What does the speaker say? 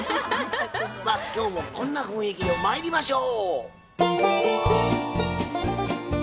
まあ今日もこんな雰囲気でまいりましょう！